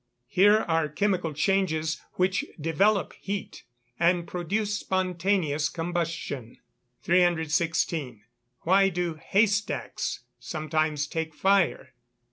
Here are chemical changes which develope heat, and produce spontaneous combustion. 316. _Why do hay stacks sometimes take fire?